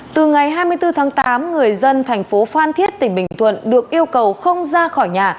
từ ngày hai mươi bốn tháng tám người dân thành phố phan thiết tỉnh bình thuận được yêu cầu không ra khỏi nhà